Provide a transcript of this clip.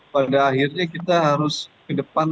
pada akhirnya kita harus ke depan